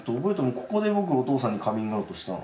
ここで僕お父さんにカミングアウトしたの。